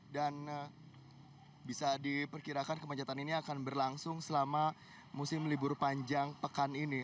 dan bisa diperkirakan kemacetan ini akan berlangsung selama musim libur panjang pekan ini